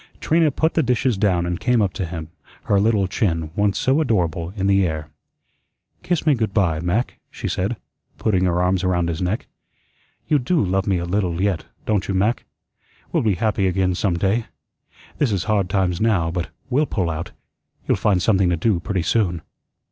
Trina put the dishes down and came up to him, her little chin, once so adorable, in the air: "Kiss me good by, Mac," she said, putting her arms around his neck. "You DO love me a little yet, don't you, Mac? We'll be happy again some day. This is hard times now, but we'll pull out. You'll find something to do pretty soon."